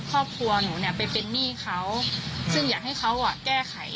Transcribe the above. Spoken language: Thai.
ครอบครัวหนูเนี่ยไปเป็นหนี้เขาซึ่งอยากให้เขาอ่ะแก้ไข